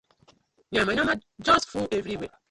Yamayama just full everywhere.